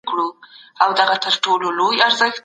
که تعلیم پوهه پراخه کړي، نظر محدود نه پاته کېږي.